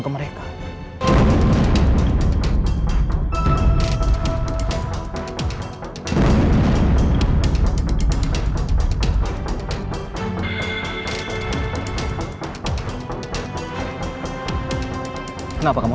sampai jumpa lagi